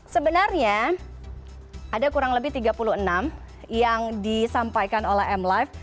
sebenarnya ada kurang lebih tiga puluh enam yang disampaikan oleh m life